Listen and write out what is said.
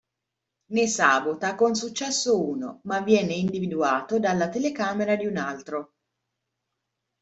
Ne sabota con successo uno, ma viene individuato dalla telecamera di un altro.